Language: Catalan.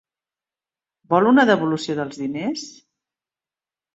Vol una devolució dels diners?